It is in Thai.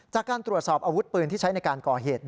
จากการตรวจสอบอาวุธปืนที่ใช้ในการก่อเหตุ